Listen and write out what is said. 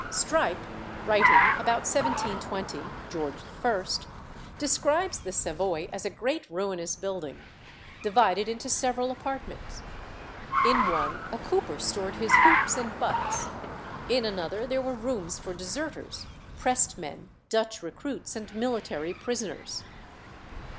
Strype, writing about 1720 (George I.), describes the Savoy as a great ruinous building, divided into several apartments. In one a cooper stored his hoops and butts; in another there were rooms for deserters, pressed men, Dutch recruits, and military prisoners.